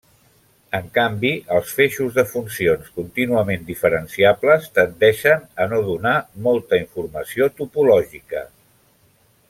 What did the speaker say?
En canvi, els feixos de funcions contínuament diferenciables tendeixen a no donar molta informació topològica.